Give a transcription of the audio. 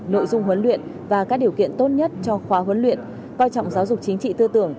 nội dung huấn luyện và các điều kiện tốt nhất cho khóa huấn luyện coi trọng giáo dục chính trị tư tưởng